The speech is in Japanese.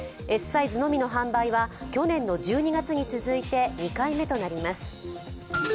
Ｓサイズのみの販売は去年の１２月に続いて２回目となります。